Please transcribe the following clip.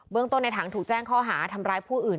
เมืองต้นในถังถูกแจ้งข้อหาทำร้ายผู้อื่น